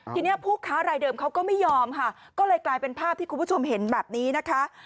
ทีนี้ผู้ค้ารายเดิมเขาก็ไม่ยอมค่ะก็เลยกลายเป็นภาพที่คุณผู้ชมเห็นแบบนี้นะคะ